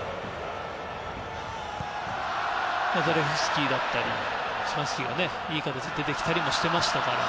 ザレフスキだったりシマンスキがいい形で出てきたりもしてましたから。